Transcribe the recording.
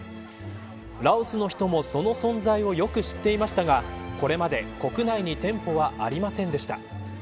ラオスの人も、その存在をよく知っていましたがこれまで国内に店舗はありませんでした。